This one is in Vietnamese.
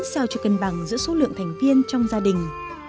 sao cho cân bằng giữa số lượng thành viên trong gia đình